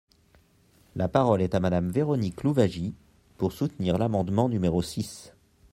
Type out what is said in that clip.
La parole est à Madame Véronique Louwagie, pour soutenir l’amendement numéro six.